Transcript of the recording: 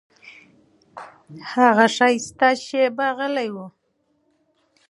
هغه ښایسته شېبه غلی و.